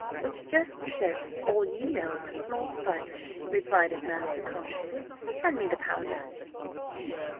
"Which just shows all you know of the small spider," replied his master calmly. "Hand me the powder."